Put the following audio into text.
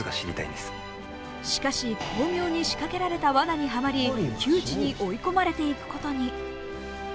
しかし、巧妙に仕掛けられたわなにはまり、窮地に追い込まれていくことに。